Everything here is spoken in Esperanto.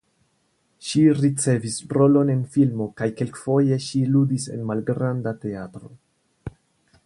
Ŝi ricevis rolon en filmo kaj kelkfoje ŝi ludis en malgranda teatro.